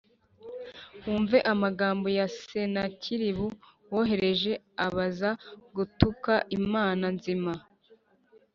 wumve amagambo ya Senakeribu wohereje abaza gutuka Imana nzima.